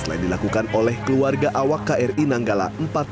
selain dilakukan oleh keluarga awak kri nanggala empat ratus dua